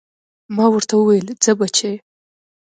ما ورته وويل ځه بچيه.